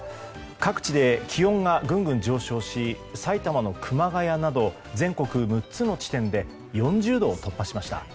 各地で気温がぐんぐん上昇し埼玉の熊谷など全国６つの地点で４０度を突破しました。